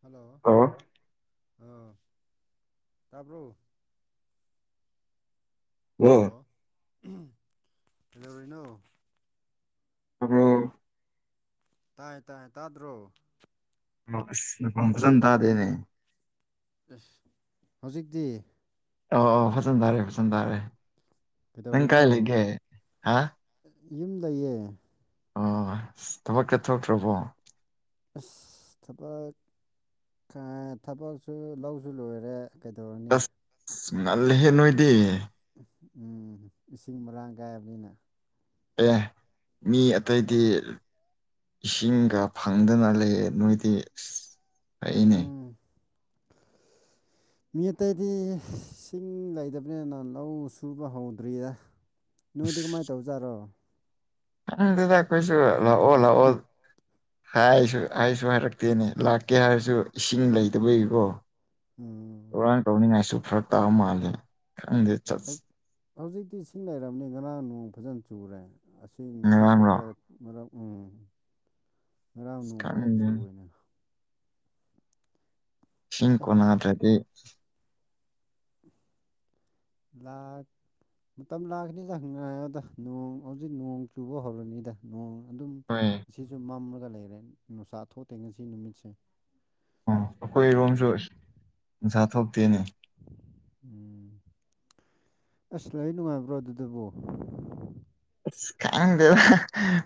hello ꯑ ꯑ ꯇꯥꯕ꯭ꯔꯣ ꯍꯜꯂꯣ ꯍꯂꯣ ꯔꯅꯨ ꯑ ꯇꯥꯏ ꯇꯥꯏ ꯇꯥꯗ꯭ꯔꯣ ꯑꯁ ꯅꯈꯣꯟ ꯐꯖꯟ ꯇꯥꯗꯦꯅꯦ ꯍꯧꯖꯤꯛꯇꯤ ꯑꯣ ꯐꯖꯟ ꯇꯥꯔꯦ ꯐꯖꯟ ꯇꯥꯔꯦ ꯅꯪ ꯀꯥꯏ ꯀꯩꯗꯧꯔꯤꯅꯣ ꯂꯩꯒꯦ ꯍꯥ ꯌꯨꯝ ꯂꯩꯌꯦ ꯑ ꯊꯕꯛꯀ ꯊꯣꯛꯇ꯭ꯔꯕ꯭ꯔꯣ ꯑꯁ ꯊꯕꯛ ꯊꯕꯛꯁꯨ ꯂꯧꯁꯨ ꯂꯣꯏꯔꯦ ꯀꯩꯗꯧꯔꯨꯅꯤ ꯑꯁ ꯉꯜꯂꯦꯍꯦ ꯅꯣꯏꯗꯤ ꯎꯝ ꯏꯁꯤꯡ ꯃꯔꯥꯡ ꯀꯥꯏꯕꯅꯤꯅ ꯑꯦ ꯃꯤ ꯑꯇꯩꯗꯤ ꯏꯁꯤꯡꯒ ꯐꯪꯗꯅ ꯂꯩ ꯅꯣꯏꯗꯤ ꯑꯩꯅꯦ ꯎꯝ ꯃꯤ ꯑꯇꯩꯗꯤ ꯁꯤꯡ ꯂꯩꯇꯕꯅꯤꯅ ꯂꯧ ꯁꯨꯕ ꯍꯧꯗ꯭ꯔꯤꯗ ꯅꯣꯏꯗꯤ ꯀꯃꯥꯏꯅ ꯇꯧꯖꯥꯔꯣ ꯗ ꯀꯣꯏꯁꯨ ꯂ ꯑꯣ ꯂ ꯍꯥꯏꯁꯨ ꯍꯥꯏꯁꯨ ꯍꯥꯏꯔꯛꯇꯦꯅꯦ ꯂꯥꯛꯀꯦ ꯍꯥꯏꯔꯁꯨ ꯏꯁꯤꯡ ꯂꯩꯇꯕꯒꯤꯕꯣ ꯎꯝ ꯀꯔꯅ ꯇꯧꯅꯤꯡꯉꯥꯏꯁꯨ ꯐꯔꯛ ꯇꯥꯑ ꯃꯥꯜꯂꯦ ꯈꯪꯗꯦ ꯆꯠꯁꯤ ꯍꯧꯖꯤꯛꯇꯤ ꯏꯁꯤꯡ ꯂꯩꯔꯕꯅꯤ ꯉꯔꯥꯡ ꯅꯣꯡ ꯐꯖꯅ ꯆꯨꯔꯦ ꯑꯁꯤ ꯃꯁꯤꯁꯨ ꯉꯔꯥꯡꯔꯣ ꯈꯔ ꯃꯔꯛ ꯎꯝ ꯉꯔꯥꯡ ꯑꯁ ꯅꯣꯡ ꯐꯖꯅ ꯈꯪꯗꯦ ꯆꯨꯅꯦ ꯁꯤꯤꯡ ꯑꯁ ꯀꯣꯅꯥꯗ꯭ꯔꯗꯤ ꯂꯥꯈ ꯃꯇꯝ ꯂꯥꯛꯀꯅꯤꯗꯪꯥꯏꯗ ꯅꯣꯡ ꯍꯧꯖꯤꯛ ꯅꯣꯡ ꯆꯨꯕ ꯍꯧꯔꯅꯤꯗ ꯅꯣꯡ ꯑꯗꯨꯝ ꯍꯣꯏ ꯁꯤꯁꯨ ꯃꯝꯃꯒ ꯂꯩꯔꯦ ꯅꯨꯡꯁꯥ ꯊꯣꯛꯇꯦ ꯉꯁꯤ ꯅꯨꯃꯤꯠꯁꯦ ꯑꯣ ꯑꯩꯈꯣꯏꯔꯣꯝꯁꯨ ꯏꯟꯁꯥ ꯊꯣꯛꯇꯦꯅꯤ ꯎꯝ ꯑꯁ ꯂ ꯅꯨꯡꯉꯥꯏꯕ꯭ꯔꯣ ꯑꯗꯨꯕꯨ ꯈꯪꯗꯦꯗ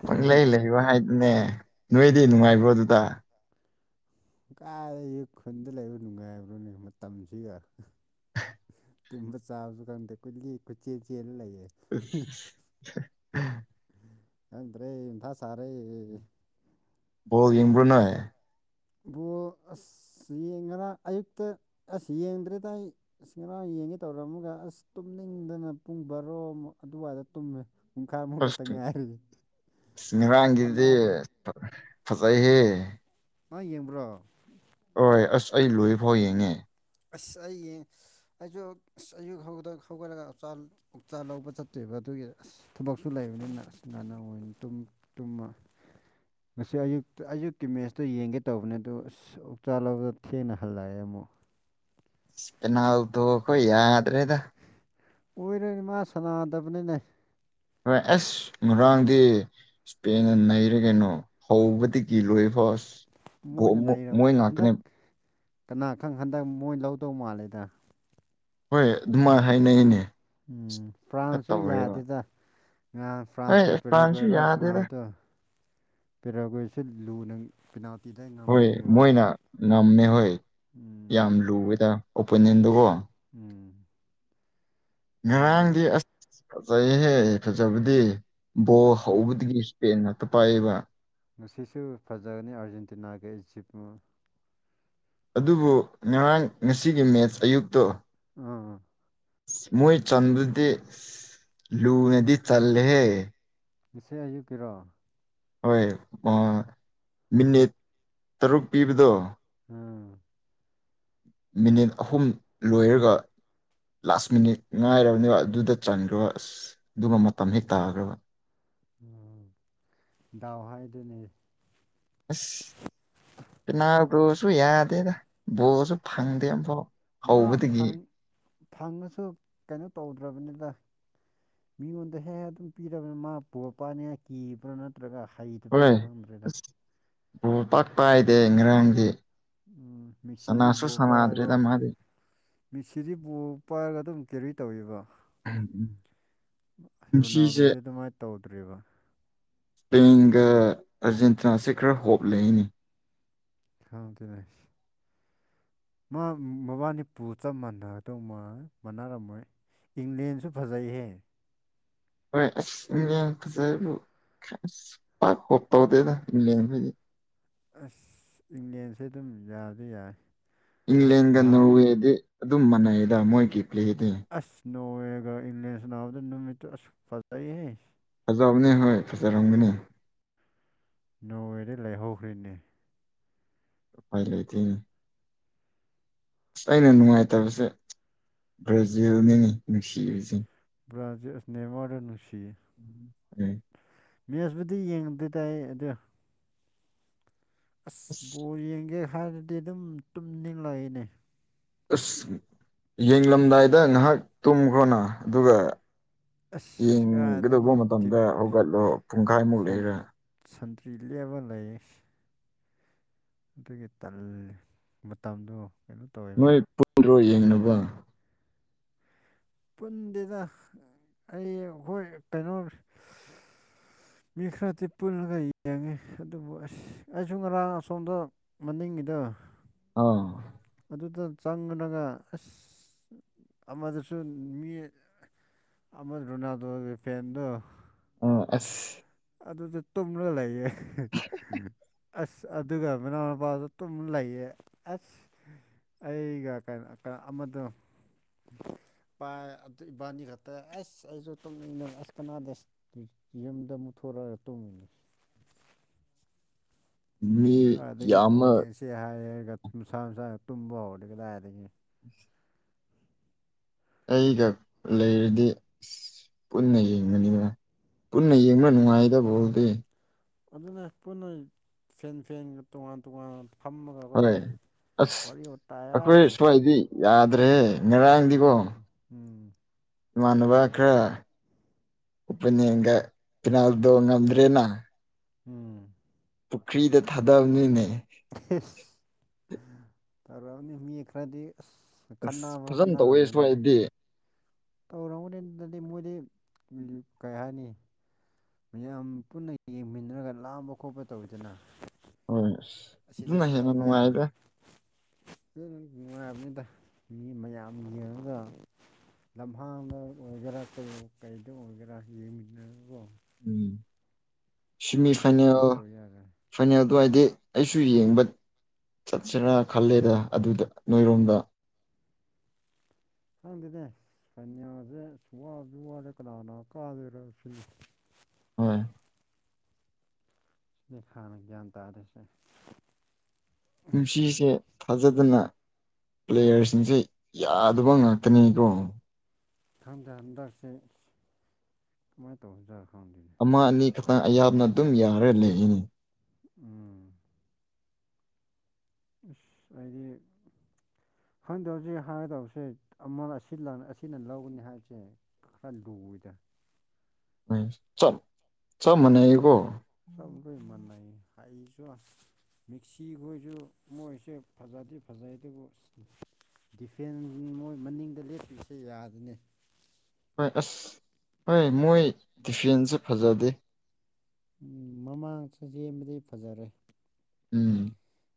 ꯄꯨꯡꯂꯩ ꯂꯩꯕ ꯍꯥꯏ ꯅꯦ ꯅꯣꯏꯗꯤ ꯅꯨꯡꯉꯥꯏꯕ꯭ꯔꯣ ꯑꯗꯨꯗ ꯀꯥꯏ ꯈꯨꯟꯗ ꯂꯩꯕ ꯅꯨꯡꯉꯥꯏꯕ꯭ꯔꯣꯅꯦ ꯃꯇꯝꯁꯤꯒ ꯇꯨꯝꯕ ꯆꯥꯕꯁꯨ ꯈꯪꯗꯦ ꯀꯨꯒꯤ ꯀꯆꯦꯜ ꯆꯦꯜꯂ ꯂꯩꯌꯦ [unintelligible] [unintelligible] ꯑꯗꯔ ꯁꯔꯦ ꯣ ꯏꯡꯕ꯭ꯔ ꯅꯦ ꯕꯣ ꯑꯁ ꯌꯦꯡ ꯉꯔꯥꯡ ꯑꯌꯨꯛꯇ ꯑꯁ ꯌꯦꯡꯗ꯭ꯔꯦꯗꯥꯏ ꯑꯁ ꯉꯔꯥꯡ ꯌꯦꯡꯒꯦ ꯇꯧꯔꯝꯃꯒ ꯑꯁ ꯇꯨꯝꯅꯤꯡꯗꯅ ꯄꯨꯡ ꯕꯥꯔꯣꯨꯛ ꯑꯗꯨꯋꯥꯏꯗ ꯇꯨꯝꯃꯦ ꯄꯨꯡꯈꯥꯏꯃꯨꯛ ꯈꯛꯇ ꯉꯥꯏꯔꯤ ꯑꯁ ꯅꯤꯔꯥꯡꯒꯤꯗꯤ ꯀꯅꯥꯗꯦ ꯐꯖꯩꯍꯦ ꯑ ꯌꯦꯡꯕ꯭ꯔꯣ ꯍꯣꯏꯣꯏ ꯑꯁ ꯑꯩ ꯂꯣꯏ ꯐꯥꯎ ꯌꯦꯡꯉꯦ ꯑꯁ ꯑꯩꯡ ꯑꯩꯁꯨ ꯑꯁ ꯑꯌꯨꯛ ꯍꯧꯗ ꯍꯧꯒꯠꯂꯒ ꯎꯆꯥ ꯂꯧꯕ ꯆꯠꯇꯣꯏꯕ ꯑꯗꯨꯒꯤ ꯑꯁ ꯊꯕꯛꯁꯨ ꯂꯩꯕꯅꯤꯅ ꯑꯁ ꯅꯅ ꯇꯨꯝꯃ ꯉꯁꯤ ꯑꯌꯨꯛꯇ ꯑꯌꯨꯛꯀꯤ ꯃꯦꯠꯁꯇ ꯌꯦꯡꯒꯦ ꯇꯧꯕꯅꯦ ꯑꯗꯨ ꯎꯛꯆꯥꯥ ꯂꯧꯥꯎꯗ ꯊꯦꯡꯅ ꯍꯜꯂꯛꯑꯦ ꯑꯃꯨꯛ ꯑꯣꯣ ꯀꯅꯥꯎꯗ ꯀꯣꯏ ꯌꯥꯗ ꯔꯦꯗ ꯑꯣꯏꯔꯅꯤ ꯃꯥ ꯁꯅꯥꯗꯕꯅꯤꯅꯦ ꯍꯣꯏ ꯑꯁ ꯉꯔꯥꯡꯗꯤ ꯏꯁꯄꯦꯟꯅ ꯅꯩꯔꯦ ꯀꯩꯅꯣ ꯍꯧꯕꯗꯤ ꯀꯤ ꯂꯣꯏꯕ ꯍꯁ ꯃꯣꯏꯅ ꯃꯣꯏ ꯅꯩꯔꯝꯒꯅꯤ ꯍꯟꯗꯛ ꯂꯥꯛꯇꯅꯦ ꯀꯅꯥ ꯈꯪ ꯍꯟꯗꯛ ꯃꯣꯏ ꯂꯧꯗꯧ ꯃꯥꯜꯂꯦꯗ ꯍꯣꯏ ꯑꯗꯨꯃꯥꯏꯅ ꯍꯥꯏꯅꯉꯤꯅꯦ ꯎꯝ ꯄ꯭ꯔꯥꯥꯟꯁꯨ ꯌꯥꯗꯦꯗ ꯉ ꯍꯣꯏ ꯐ꯭ꯔꯥꯟꯁ ꯐ꯭ꯔꯥꯟꯁꯁꯨ ꯀꯦꯄꯤꯇꯦꯜꯒꯔ ꯌꯥꯗꯦꯗ ꯁꯅꯍꯎꯗꯣ ꯄꯦꯔꯥꯒꯣꯏꯁꯦ ꯂꯨꯅ ꯄꯦꯅꯥꯜꯇꯤꯗ ꯍꯣꯏ ꯉꯝꯕꯅꯦꯕ ꯃꯣꯏꯅ ꯉꯝꯃꯦ ꯍꯣꯏ ꯎꯝ ꯌꯥꯝ ꯂꯨꯋꯦꯗ ꯑꯣꯄꯤꯅꯤꯌꯟꯗꯨꯀꯣ ꯎꯝ ꯈꯪꯗꯦ ꯉꯔꯥꯡꯗꯤ ꯑꯁ ꯐꯖꯩꯍꯦ ꯐꯖꯕꯗꯤ ꯕꯣ ꯑꯁ ꯍꯧꯕꯗꯒꯤ ꯏꯁꯄꯦꯟ ꯉꯥꯛꯇ ꯄꯥꯏꯌꯦꯕ ꯉꯁꯤꯁꯨ ꯐꯖꯒꯅꯤ ꯑꯥꯔꯖꯦꯟꯇꯤꯅꯥꯒ ꯏꯖꯤꯞ ꯑꯗꯨꯕꯨ ꯉꯔꯥꯡ ꯉꯁꯤꯒꯤ ꯃꯦꯠꯆ ꯑꯌꯨꯛꯇꯣ ꯎꯝ ꯃꯣꯏ ꯆꯟꯗꯨꯗꯤ ꯂꯨꯅꯗꯤ ꯆꯜꯍꯦ ꯏꯁꯩ ꯑꯌꯨꯛꯀꯤꯔꯣ ꯍꯣꯏ ꯃꯤꯅꯤꯠ ꯇꯔꯨꯛ ꯄꯤꯕꯗꯣ ꯎꯝ ꯃꯤꯅꯤꯠ ꯑꯍꯨꯝ ꯂꯣꯏꯔꯒ ꯂꯥꯁ ꯃꯤꯅꯤꯠ ꯉꯥꯏꯔꯕꯅꯦꯕ ꯑꯗꯨꯗ ꯆꯟꯈ꯭ꯔꯣ ꯑꯁ ꯑꯗꯨꯒ ꯃꯇꯝ ꯍꯦꯛ ꯇꯥꯈ꯭ꯔꯕ ꯎꯝ ꯗꯥꯎ ꯍꯥꯏꯗꯨꯅꯦ ꯑꯅꯥ ꯁꯨ ꯌꯥꯗꯦꯗ ꯕꯣꯔꯁꯨ ꯑꯁ ꯐꯪꯗꯦ ꯑꯃꯨꯐꯥꯎ ꯃꯥ ꯍꯧꯕꯗꯒꯤ ꯐꯪ ꯐꯪꯉꯁꯨ ꯀꯩꯅꯣ ꯇꯧꯗ꯭ꯔꯕꯅꯤꯅ ꯃꯤꯉꯣꯟꯗ ꯍꯦꯛ ꯑꯗꯨꯝ ꯄꯤꯔꯕꯅꯤ ꯃꯥ ꯄꯣꯄꯅꯤꯦꯛ ꯀꯤꯕ꯭ꯔꯥ ꯅꯠꯇ꯭ꯔꯒ ꯍꯩꯗꯕꯒꯦꯔꯣ ꯈꯪꯝꯗ꯭ꯔꯦꯗ ꯎ ꯄꯛꯄ ꯍꯥꯏꯗꯦ ꯏꯔꯥꯡꯗꯤ ꯎꯝ ꯃꯦꯁꯤꯗꯤ ꯁꯅꯥꯁꯨ ꯁꯃꯗ꯭ꯔꯦꯗ ꯃꯥꯗꯦ ꯃꯤꯠꯁꯤꯗꯤꯕꯨ ꯄꯥꯏꯔꯒ ꯑꯗꯨꯝ ꯀꯦꯔꯤ ꯇꯧꯋꯕ ꯎꯝ ꯎꯝ ꯔꯣꯅꯥꯜꯗꯣꯗꯤ ꯑꯗꯨꯃꯥꯏꯅ ꯇꯧꯗ꯭ꯦꯔꯤꯕ ꯁꯄꯦꯟꯒ ꯑꯥꯔꯖꯦꯟꯇꯤꯅꯥꯁꯦ ꯈꯔ ꯍꯣꯞ ꯂꯩꯏꯅꯤ ꯍꯗꯅꯦ ꯃꯥ ꯃꯕꯥꯅꯤ ꯄꯨ ꯆꯞ ꯃꯥꯟꯅꯒꯗꯧ ꯃꯥ ꯃꯥꯟꯅꯔꯝꯃꯣꯏ ꯏꯪꯂꯦꯟꯁꯨ ꯐꯖꯩꯍꯦ ꯍꯣꯏ ꯑꯁ ꯃ ꯌꯥꯝ ꯐꯖꯕꯨ ꯄ ꯍꯞꯇꯥꯕꯗꯗ ꯏ ꯑꯁ ꯏꯪꯂꯦꯟꯁꯦ ꯑꯗꯨꯝ ꯌꯥꯗꯤ ꯌꯥꯏ ꯏꯪꯂꯦꯟꯒ ꯅꯍꯥꯟ ꯅꯣꯔꯋꯦꯗꯤ ꯑꯗꯨꯝ ꯃꯥꯟꯅꯩꯗ ꯃꯣꯏꯒꯤ ꯄ꯭ꯂꯦꯗꯤ ꯅꯣꯡꯋꯦꯒ ꯏꯂ ꯁꯅꯥꯗꯅꯃꯤꯇ ꯐꯦ ꯐꯖꯕꯅꯦ ꯍꯣꯏ ꯐꯖꯔꯝꯒꯅꯤ ꯅꯣꯡꯗꯤ ꯂꯩꯍꯧꯈ꯭ꯔꯤꯅꯦ ꯐꯥꯏ ꯂꯩꯇꯅ ꯑꯁ ꯑꯩꯅ ꯅꯨꯡꯉꯥꯏꯇꯕꯁꯦ ꯒ꯭ꯔꯦꯖꯨ ꯑꯣꯏꯅꯤꯡꯉꯤ ꯅꯨꯡꯁꯤꯔꯤꯁꯤ ꯕ꯭ꯔꯥꯖ ꯅꯦꯝꯃꯥꯗ ꯅꯨꯡꯁꯤ ꯎꯝ ꯃꯦꯁꯕꯨꯨꯗꯤ ꯌꯦꯡꯗꯗꯤ ꯇꯥꯏ ꯑꯗꯨ ꯑꯁ ꯕꯣꯔ ꯌꯦꯡꯒꯦ ꯍꯥꯏꯔꯗꯤ ꯑꯗꯨꯝ ꯇꯨꯝꯅꯤꯡꯂꯛꯏꯅꯦ ꯑꯁ ꯌꯦꯡꯂꯝꯗꯥꯏꯗ ꯉꯥꯏꯍꯥꯛ ꯇꯨꯝꯈ꯭ꯔꯣꯅ ꯑꯗꯨꯒ ꯑꯁ ꯌꯦꯡꯒꯗꯧꯕ ꯀꯥꯏꯗꯒꯤ ꯗꯤꯞ ꯃꯇꯝꯗ ꯍꯧꯒꯠꯂꯣ ꯄꯨꯡꯈꯥꯏꯃꯨꯛ ꯂꯩꯔꯦ ꯏꯁꯔꯤꯂꯤꯌꯥꯕꯗꯥꯏꯁ ꯑꯗꯨꯒꯤ ꯇ ꯃꯇꯝꯗꯣ ꯀꯩꯅꯣ ꯇꯧꯋꯦꯕ ꯅꯣꯏ [unintelligible] ꯌꯦꯡꯅꯕ ꯄꯨꯟꯗꯦꯗ ꯑꯩ ꯍꯣꯏ ꯀꯩꯅꯣ [inaudible] ꯃꯤ ꯈꯔꯗꯤ ꯄꯨꯜꯂꯒ ꯌꯦꯡꯉꯤ ꯑꯗꯨꯕꯨ ꯑꯁ ꯑꯩꯁꯨ ꯉꯔꯥꯡ ꯑꯁꯣꯝꯗ ꯃꯅꯤꯡꯉꯤꯗ ꯑꯥ ꯑꯗꯨꯗ ꯆꯪꯔꯒ ꯑꯁ ꯑꯃꯗꯁꯨ ꯃꯤ ꯑꯃꯥ ꯔꯣꯅꯥꯜꯗꯣꯒꯤ ꯐꯦꯟꯗꯨ ꯑꯣ ꯑꯁ ꯑꯗꯨꯗꯤ ꯇꯨꯝꯂ ꯂꯩꯌꯦ ꯑꯁ ꯑꯗꯨꯒ ꯃꯅꯥꯎꯄꯥꯗ ꯇꯨꯝ ꯂꯩꯌꯦ ꯑꯁ ꯑꯩꯒ ꯀꯩꯅꯣ ꯑꯃꯗꯣ [inaudible] ꯄꯥꯏ ꯑꯥ ꯏꯕꯥꯅꯤ ꯈꯛꯇ ꯑꯩꯁ ꯑꯩꯖꯨ ꯇꯨꯝꯅꯤꯡꯉꯦ ꯑꯩꯁ ꯀꯅꯒ ꯌꯦꯡꯗ ꯊꯔꯥ ꯇꯨꯝꯃꯤꯅꯤ ꯃꯤ ꯑꯗꯒꯤꯕꯨꯕ ꯌꯥꯝꯃ ꯌꯦꯡꯁꯤꯦ ꯍꯥꯏ ꯍꯥꯏꯔꯒꯁꯥ ꯅꯨꯡꯁꯥ ꯇꯨꯝꯕ ꯍꯧꯔꯦ ꯀꯗꯥꯏꯗꯒꯤ ꯑꯩꯒ ꯂꯩꯔꯗꯤ ꯑꯁ ꯄꯨꯟꯅ ꯌꯦꯡꯕꯅꯤꯅ ꯄꯨꯟꯅ ꯌꯦꯡꯕ ꯅꯨꯡꯉꯥꯏꯗ ꯕꯣꯜꯗꯤ ꯑꯗꯨꯅ ꯄꯨꯟꯅ ꯐꯦꯟ ꯐꯦꯟ ꯇꯣꯉꯥꯟ ꯇꯣꯉꯥꯟ ꯐꯝꯃꯒꯀꯣ ꯐꯔꯦ ꯑꯁ ꯋꯥꯔꯤ ꯋꯥꯇꯥꯏ ꯑꯩꯈꯣꯏ ꯑꯁ ꯁ꯭ꯋꯥꯏꯗꯤ ꯌꯥꯗ꯭ꯔꯦꯍꯦ ꯉꯔꯥꯡꯗꯤꯀꯣ ꯎꯝ ꯎꯝ ꯏꯃꯥꯟꯅꯕ ꯈꯔ ꯎꯄꯅꯤꯡꯗ ꯄꯤꯅꯥꯜꯗꯣ ꯉꯝꯗ꯭ꯔꯦꯅ ꯎꯝ ꯄꯨꯈ꯭ꯔꯤꯗ ꯊꯥꯗꯕꯅꯤꯅꯦ ꯏꯁ ꯃꯤ ꯈ꯭ꯔꯥꯗꯤ ꯑꯁ ꯐꯖꯅ ꯇꯧꯋꯦ ꯁ꯭ꯋꯥꯏꯗꯤ ꯇꯧꯔꯝꯅꯤꯗꯗꯤ ꯃꯣꯏꯗꯤ ꯀꯩ ꯍꯥꯏꯅꯤ ꯃꯌꯥꯝ ꯄꯨꯟꯅ ꯌꯦꯡꯃꯤꯟꯅꯔꯒ ꯂꯥꯝꯕ ꯈꯣꯠꯄ ꯇꯧꯋꯤꯗꯅ ꯍꯣꯏ ꯑꯗꯨꯅ ꯑꯁꯤꯗꯗꯤ ꯍꯦꯟꯅ ꯇꯧ ꯌꯥꯗꯦ ꯅꯨꯡꯉꯥꯏꯗ ꯅꯪ ꯅꯨꯡꯉꯥꯏꯕꯅꯤꯗ ꯃꯤ ꯃꯌꯥꯝ ꯌꯦꯡꯉꯒ ꯂꯝꯍꯥꯡꯗ ꯑꯣꯏꯒꯦꯔꯥ ꯀꯩ ꯀꯩꯗ ꯑꯣꯏꯒꯦꯔꯥ ꯌꯦꯡꯃꯤꯟꯅꯔꯣ ꯎꯝ ꯁꯤꯃꯤ ꯐꯥꯏꯅꯦꯜ ꯁꯨꯃꯥꯏꯅ ꯇꯧ ꯌꯥꯔꯣꯏ ꯐꯥꯏꯅꯦꯜ ꯗꯋꯥꯏꯗꯤ ꯑꯩꯁꯨ ꯌꯦꯡꯕ ꯆꯠꯁꯦꯔ ꯈꯜꯂꯦꯗ ꯑꯗꯨꯗ ꯅꯣꯏꯔꯣꯝꯗ ꯈꯪꯗꯦꯅꯦ [unintelligible] ꯁꯦ ꯋ꯭ꯁꯨ ꯋꯔꯦ ꯀꯅꯥꯅꯥ ꯀꯗꯣꯏꯔꯥ ꯁꯤꯅꯤ ꯍꯣꯏ ꯁꯤꯗꯤ ꯍꯥꯟꯅ ꯒ꯭ꯌꯥꯟ ꯇꯥꯗꯔꯤꯁꯦ ꯄꯨꯨꯟꯁꯤꯁꯦ ꯊꯥꯖꯗꯅ ꯄ꯭ꯂꯦꯌꯔꯁꯤꯡꯁꯦ ꯌꯥꯗꯕ ꯉꯥꯛꯇꯅꯤꯀꯣ ꯈꯪꯗꯦ ꯍꯟꯗꯛꯁꯦ ꯀꯃꯥꯏꯅ ꯇꯧꯕꯥꯖꯠꯅꯣ ꯈꯪꯗꯦ ꯑꯃ ꯑꯅꯤ ꯈꯛꯇꯥ ꯑꯌꯥꯝꯕꯅ ꯑꯗꯨꯝ ꯌꯥꯔ ꯂꯩꯌꯦꯅꯤ ꯎꯝ ꯍꯥꯏꯗꯤ ꯈꯪꯗꯕꯁꯦ ꯍꯥꯏꯒꯗꯕꯥꯁꯦ ꯑꯃ ꯑꯁꯤꯅ ꯂꯧꯒꯅꯤ ꯍꯥꯏꯁꯦ ꯈꯔ ꯂꯨꯢꯌꯦꯗ ꯆꯞ ꯆꯞ ꯃꯟꯅꯩꯌꯦꯀꯣ ꯈꯏꯃꯥꯟꯅꯏ ꯍꯥꯏꯁꯨ ꯃꯤꯛꯁꯤ ꯈꯣꯏꯁꯨ ꯃꯣꯏꯁꯨ ꯐꯖꯗꯦ ꯐꯖꯩꯗꯕꯨ ꯗꯤꯐꯦꯟ ꯃꯣꯏ ꯃꯅꯤꯡꯗ ꯂꯦꯞꯄꯤꯕꯁꯦ ꯌꯥꯗꯅꯦ ꯍꯣꯏ ꯑꯁ ꯍꯣꯏ ꯃꯣꯏ ꯗꯤꯐꯦꯟꯁꯦ ꯐꯖꯗꯦ ꯎ ꯃꯃꯥꯡꯁꯨ ꯆꯕꯗꯤ ꯐꯖꯔꯦ ꯎꯝ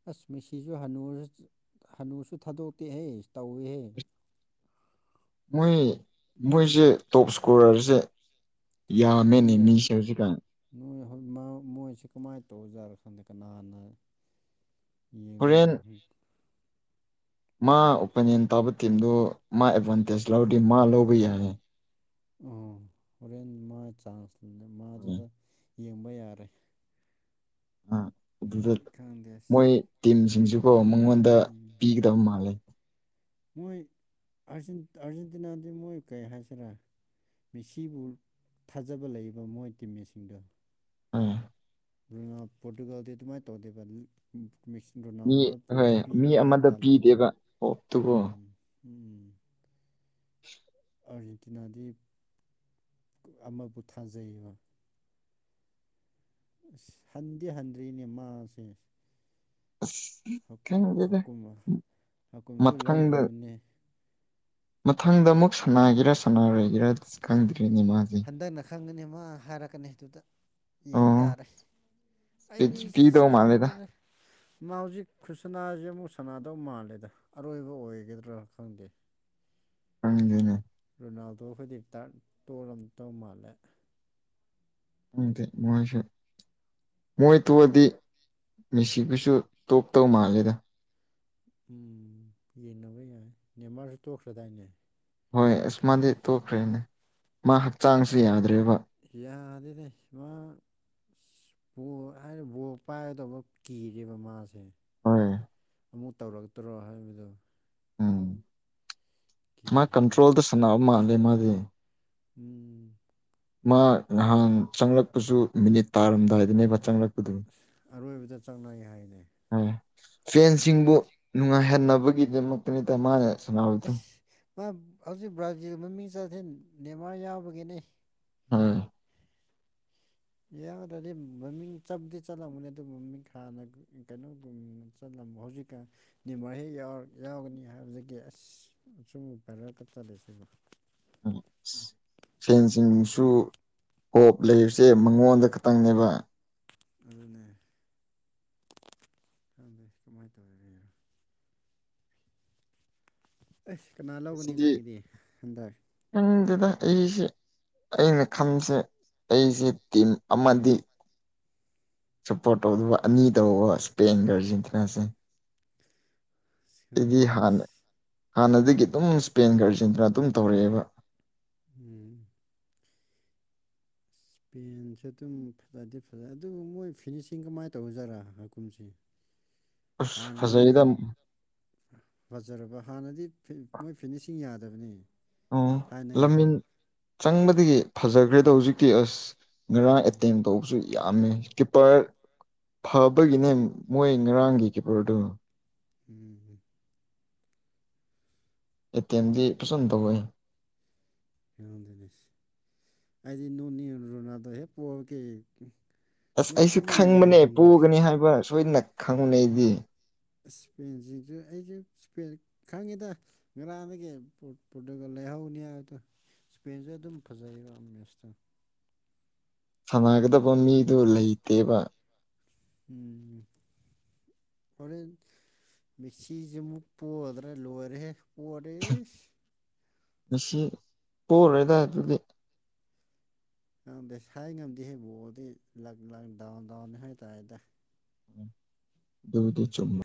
ꯑꯁ ꯃꯤꯁꯤꯁꯨ ꯍꯅꯨ ꯍꯅꯨꯁꯨ ꯊꯥꯗꯣꯛꯇꯦꯍ ꯇꯧꯏꯍꯦ ꯃꯣꯏ ꯃꯣꯏꯁꯦ ꯇꯣꯞ ꯏꯁꯀꯣꯔꯔꯁꯦ ꯌꯥ ꯃꯦꯅꯦ ꯃꯤꯁꯦꯁꯤ ꯀꯥꯏ ꯃꯣꯏꯁꯤ ꯀꯃꯥꯏꯅ ꯇꯧꯖꯥꯔ ꯈꯥꯟꯗ ꯀꯅꯥ ꯍꯅ ꯍꯣꯔꯦꯟ ꯃꯥ ꯑꯣꯄꯤꯅꯤꯌꯟ ꯇꯥꯕ ꯇꯤꯝꯗꯨ ꯃꯥ ꯑꯦꯗꯚꯥꯟꯇꯦꯖ ꯂꯧꯔꯥꯗꯤ ꯃꯥ ꯂꯧꯕ ꯌꯥꯏꯌꯦ ꯑ ꯍꯣꯔꯦꯟ ꯃꯥ ꯆꯥꯟꯁ ꯃꯥꯗꯨꯗ ꯌꯦꯡꯕ ꯌꯥꯔꯦ ꯑ ꯑꯗꯨꯗ ꯈꯪꯗꯦ ꯑꯁ ꯃꯣꯏ ꯇꯤꯝꯁꯤꯡꯁꯨꯀꯣ ꯑꯩꯉꯣꯟꯗ ꯎꯝ ꯄꯤꯒꯗꯕ ꯃꯥꯜꯂꯦ ꯃꯣꯏ ꯑꯥꯔꯖꯦꯟꯇꯤꯅꯥꯗꯤ ꯃꯣꯏ ꯀꯩ ꯍꯥꯏꯁꯤꯔꯥ ꯃꯦꯁꯤꯕꯨ ꯊꯥꯖꯕ ꯂꯩꯕ ꯃꯣꯏ ꯇꯤꯝꯃꯦꯠꯁꯤꯡꯗꯣ ꯑ ꯄꯣꯔꯇꯨꯒꯥꯜꯗꯤ ꯑꯗꯨꯃꯥꯏ ꯇꯧꯗꯦꯕ ꯃꯦꯁꯤ ꯃꯤ ꯔꯣꯅꯥꯜꯗꯣ ꯗ ꯕꯣꯜ ꯍꯣꯏ ꯃꯤ ꯄꯤꯅꯤꯉꯥꯏ ꯑꯃꯗ ꯇꯜꯂꯤꯕ ꯄꯤꯗꯦꯕ ꯍꯣꯞꯇꯨꯀꯣ ꯎꯝ ꯎꯝ ꯑꯥꯔꯖꯦꯟꯇꯤꯅꯥꯗꯤ ꯑꯃꯕꯨ ꯊꯥꯖꯩꯌꯦꯕ ꯑꯁ ꯍꯟꯗꯤꯦ ꯍꯟꯗ꯭ꯔꯤꯅꯦ ꯃꯥꯁꯦ ꯑꯁ ꯈꯦꯡꯖꯗꯦ ꯍꯀꯨꯝ ꯍꯀꯨꯝꯁꯨ ꯃꯊꯪꯗ ꯂꯧꯈ꯭ꯔꯕꯅꯦ ꯃꯊꯪꯗ ꯑꯃꯨꯛ ꯁꯥꯟꯅꯒꯦꯔꯥ ꯁꯥꯟꯅꯔꯒꯦꯔꯥ ꯈꯪꯗꯦ ꯍꯟꯗꯛꯅ ꯈꯪꯒꯅꯤ ꯃꯥ ꯍꯥꯏꯔꯛꯀꯅꯤ ꯑꯗꯨꯗ ꯌꯦꯡ ꯑꯣ ꯇꯥꯔꯦ ꯑꯩꯗꯤ ꯄꯤꯗꯧ ꯃꯥꯜꯂꯦꯗ ꯈꯪꯗꯅ ꯃꯥꯖꯤꯛ ꯈꯨ ꯁꯅꯥꯁ ꯑꯃꯨꯛ ꯁꯅꯥꯗꯧ ꯃꯥꯜꯂꯦꯗ ꯑꯔꯣꯏꯕ ꯑꯣꯏꯒꯗ꯭ꯔꯥ ꯈꯪꯗꯦ ꯍꯪꯖꯅꯦ ꯔꯣꯅꯥꯜꯗꯣ ꯍꯧꯖꯤꯛꯇ ꯇꯣꯂꯝ ꯇꯧ ꯃꯥꯜꯂꯦ ꯑꯗꯦ ꯃꯣꯏꯁꯨ ꯃꯣꯏ ꯇꯣꯛꯑꯗꯤ ꯃꯤꯁꯤꯕꯨꯁꯨ ꯇꯣꯛ ꯇꯧ ꯃꯥꯜꯂꯤꯦꯗ ꯎꯝ ꯌꯦꯡꯟꯅꯕ ꯌꯥꯏ ꯅ ꯃꯥꯁꯨ ꯇꯣꯛꯈ꯭ꯔꯗꯥꯏꯅꯦ ꯍꯣꯏ ꯏꯁꯁꯃꯗꯤ ꯇꯣꯛꯈ꯭ꯔꯦꯅꯦ ꯃꯥ ꯍꯛꯆꯥꯡꯁꯤ ꯌꯥꯗ꯭ꯔꯦꯕ ꯌꯥꯗꯅꯦ ꯁꯤꯃ ꯑ ꯕ ꯍꯥꯏꯗꯤ ꯕꯣꯔ ꯄꯥꯏꯒꯗꯧꯕ ꯀꯤꯔꯦꯕ ꯃꯥꯁꯦ ꯍꯣꯏ ꯑꯃꯨꯛ ꯇꯧꯔꯛꯇ꯭ꯔꯣ ꯍꯥꯏꯕꯗꯨ ꯎꯝ ꯃꯥ ꯀꯤꯔꯦꯕ ꯀꯟꯇ꯭ꯔꯣꯜꯗ ꯁꯥꯟꯅꯕ ꯃꯥꯜꯂꯦ ꯃꯥꯗꯤ ꯎꯝ ꯃꯥ ꯅꯍꯥꯟ ꯆꯪꯂꯛꯄꯁꯨ ꯃꯤꯅꯤꯠ ꯇꯥꯔꯝꯗꯥꯏꯗꯅꯦꯕ ꯆꯪꯂꯛ ꯑꯔꯣꯏꯕꯗ ꯆꯠꯅꯩ ꯍꯥꯏꯅꯤ ꯍꯣꯏ ꯐꯦꯟꯁꯤꯡꯕꯨ ꯅꯨꯡꯉꯥꯏꯍꯟꯅꯕꯒꯤꯗꯃꯛꯇꯅꯤꯠꯇ ꯃꯥꯅ ꯁꯅꯥꯗꯔꯤ ꯑꯁ ꯃꯥ ꯍꯧꯖꯤꯛ ꯕ꯭ꯔꯥꯖꯤꯜ ꯃꯃꯤꯡ ꯆꯠꯊꯦꯜ ꯅꯦꯃꯥꯔ ꯌꯥꯎꯕꯒꯤꯅꯦ ꯍꯝ ꯌꯥꯔꯗꯤ ꯃꯃꯤꯡ ꯆꯞꯗꯤ ꯆꯠꯂꯅꯦ ꯑꯗꯨ ꯃꯃꯤꯡ ꯈꯅ ꯀꯩꯅꯣ ꯆꯂ ꯍꯧꯖꯤꯛꯀ ꯅꯤ ꯃꯍꯦꯛ ꯌꯥꯎꯒꯅꯤ ꯍꯥꯏꯕꯗꯒꯤ ꯑꯁ ꯑꯁꯨꯝ ꯐꯔꯒ ꯆꯠꯂꯁꯦ ꯎꯝ ꯁꯦꯟꯁꯤꯡꯁꯨ ꯀꯣꯞ ꯂꯩꯕꯁꯦ ꯃꯉꯣꯟꯗ ꯈꯛꯇꯪꯅꯦꯕ ꯑꯗꯨꯅꯦ ꯈ ꯀꯃꯥꯏꯅ ꯇꯧꯔꯤꯒ ꯑꯁ ꯀꯅꯥ ꯂꯒꯅꯤ ꯅꯪꯒꯤꯗꯤ ꯈꯟꯊꯒꯦ ꯑꯗꯨꯗ ꯑꯩꯁꯦ ꯑꯩꯅ ꯈꯟꯁꯦ ꯑꯩꯁꯦ ꯇꯤꯝ ꯑꯃꯗꯤ ꯁꯞꯄꯣꯔꯠ ꯇꯧꯗꯧꯕ ꯑꯅꯤ ꯇꯧꯕ ꯏꯁꯄꯦꯟꯒꯔꯁꯤꯟꯇꯅꯥꯁꯦ ꯁꯤꯀꯥꯟꯗꯅꯦꯁ ꯍꯥꯟꯅꯗꯒꯤ ꯑꯗꯨꯝ ꯏꯁꯄꯦꯟ ꯈꯔ ꯆꯟꯗꯨꯅ ꯑꯗꯨꯝ ꯇꯧꯔꯛꯑꯦꯕ ꯎꯝ ꯏꯁꯄꯦꯟꯁꯦ ꯑꯗꯨꯝ ꯐꯖꯗꯤꯦ ꯐꯖꯩ ꯑꯗꯨꯕꯨ ꯃꯣꯏ ꯐꯤꯅꯤꯁꯤꯡ ꯀꯃꯥꯏꯅ ꯇꯧꯖꯥꯔꯥ ꯍꯥꯀꯨꯝꯁꯦ ꯈꯁ ꯐꯖꯩꯗꯝ ꯐꯖꯔꯕ ꯍꯥꯟꯅꯗꯤ ꯃꯣꯏ ꯐꯤꯅꯤꯁꯤꯡ ꯌꯥꯗꯕꯅꯤ ꯑꯣ ꯊꯥꯏꯅꯒꯤ ꯇꯣ ꯂꯝꯃꯤꯟ ꯆꯪꯕꯗꯒꯤ ꯐꯖꯈ꯭ꯔꯦꯗꯣ ꯍꯧꯖꯤꯛꯇꯤ ꯑꯁ ꯉꯔꯥꯡ ꯎꯝ ꯑꯦꯇꯦꯝ ꯇꯧꯕꯁꯨ ꯌꯥꯝꯃꯦ ꯀꯤꯞꯄꯔ ꯐꯕꯒꯤꯅꯦ ꯃꯣꯏ ꯉꯔꯥꯡꯒꯤ ꯀꯤꯞꯄꯔꯗꯨ ꯎꯝ ꯑꯦꯇꯦꯝꯗꯤ ꯄꯁꯟꯗ ꯍꯌꯦ ꯀꯗꯅꯤ ꯑꯗꯤ ꯅꯨꯅꯤ ꯔꯨꯅꯗ ꯍꯦ ꯄꯣ ꯀ ꯑꯁ ꯑꯩꯁꯨ ꯈꯪꯕꯅꯦ ꯄꯨꯒꯅꯤ ꯍꯥꯏꯕ ꯁꯣꯏꯗꯅ ꯈꯪꯅꯩꯗꯤ ꯏꯁꯄꯦꯟꯁꯤꯡꯁꯨ ꯑꯩꯁꯨ ꯏꯁꯄꯦꯟ ꯈꯪꯉꯤꯗ ꯉꯔꯥꯡꯗꯒꯤ ꯄꯣꯔꯇꯨꯒꯜ ꯂꯩꯍꯧꯅꯤ ꯍꯥꯏꯕꯗꯣ ꯏꯁꯄꯦꯟꯁꯦ ꯑꯗꯨꯝ ꯐꯖꯩꯕ ꯃꯁꯇ ꯁꯥꯟꯅꯒꯗꯕ ꯃꯤꯗꯨ ꯂꯩꯇꯦꯕ ꯎꯝ ꯍꯣꯔꯦꯟ ꯃꯤꯛꯁꯤꯁꯤ ꯑꯃꯨꯛ ꯄꯣꯗ꯭ꯔꯦ ꯂꯣꯏꯔꯦꯍꯦ ꯄꯗꯦꯁ ꯃꯁꯤ ꯄꯣꯛꯔꯣꯏꯗ ꯑꯗꯨꯗꯤ ꯉꯪꯗ ꯁ ꯉꯝꯗꯦ ꯍꯩꯕꯣꯗꯤ ꯂꯛ ꯂ ꯗꯥꯎꯟ ꯗꯥꯎꯟꯅꯤ ꯍꯥꯏꯇꯥꯗ ꯗꯤ ꯆꯨꯝꯃ